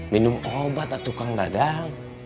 minum obat tukang dadang